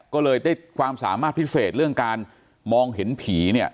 ก็เลยได้ความสามารถพิเศษเรื่องการมองเห็นผีเนี่ย